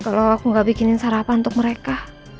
kalau aku nggak bikinin sarapan untuk mereka